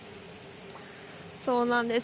そうなんです。